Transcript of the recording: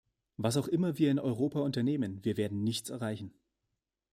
Was auch immer wir in Europa unternehmen, wir werden nichts erreichen.